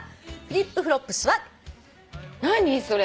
それ。